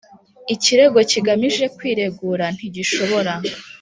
Ikirego kigamije kwiregura ntigishobora